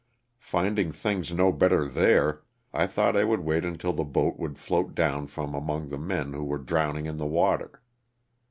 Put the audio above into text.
Finding things no better there, I thought I would wait until the boat would float down from among the men who were drowning in the water.